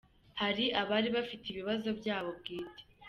Hari abari bafite ibibazo byabo bwite.